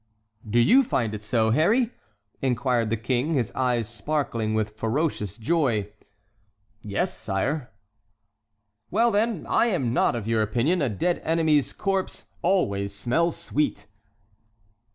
"Do you find it so, Harry?" inquired the King, his eyes sparkling with ferocious joy. "Yes, sire." "Well, then, I am not of your opinion; a dead enemy's corpse always smells sweet."